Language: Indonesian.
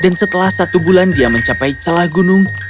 dan setelah satu bulan dia mencapai celah gunung